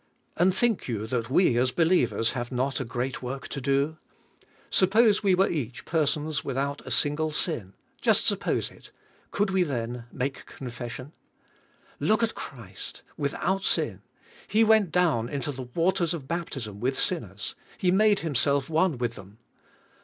And think you that we as believers have not a great work to do? Suppose we were each, persons without a single sin ; just suppose it; could we then make confession.? Look at Christ, without sin! He went down into the waters of baptism with sin ners; He made Himself one with them.